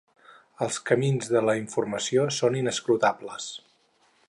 Els camins de la informació són inescrutables.